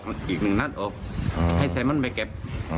นี่ก็บอกอีกหนึ่งนัดออกให้แซมอนไปเก็บ